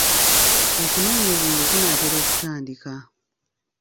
Okunoonya obululu kunaatera okutandika.